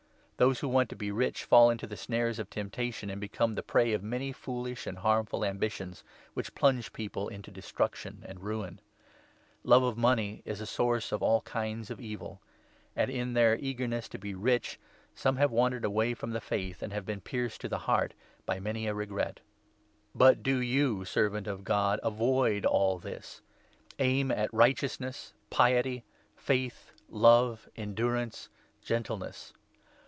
Those who want to be rich fall into the 9 snares of temptation, and become the prey of many foolish and harmful ambitions, which plunge people into Destruction and Ruin. Love of money is a source of all kinds of evil ; 10 and in their eagerness to be rich some have wandered away from the Faith, and have been pierced to the heart by many a regret. 18 Deut 19. 15. I. TIMOTHY, 6. 413 But do you, Servant of Gods avoid all this, n Personal Aim at righteousness, piety, faith, love, endur Exhortations. °. r> ii c j.t. ance, gentleness.